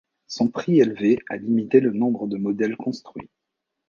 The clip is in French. Son prix élevé a limité le nombre de modèles construits.